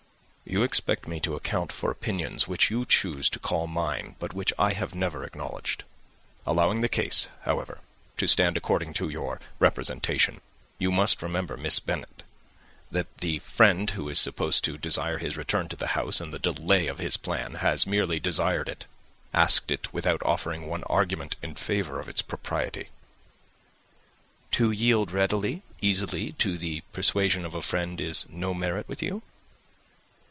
"You expect me to account for opinions which you choose to call mine, but which I have never acknowledged. Allowing the case, however, to stand according to your representation, you must remember, Miss Bennet, that the friend who is supposed to desire his return to the house, and the delay of his plan, has merely desired it, asked it without offering one argument in favour of its propriety." "To yield readily easily to the persuasion of a friend is no merit with you."